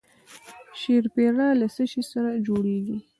شیرپیره له څه شي جوړیږي؟